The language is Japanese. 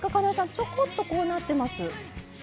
ちょこっと、こうなってます。